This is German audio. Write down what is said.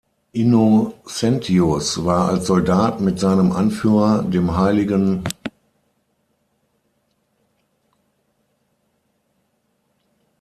Innocentius war als Soldat mit seinem Anführer, dem hl.